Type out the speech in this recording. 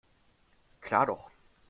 Klar doch.